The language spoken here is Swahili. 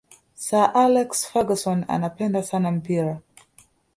sir alex ferguson anapenda sana mpira